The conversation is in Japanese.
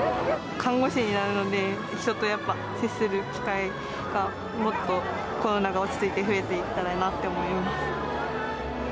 看護師になるので、人とやっぱ、接する機会が、もっとコロナが落ち着いて増えていったらいいなと思います。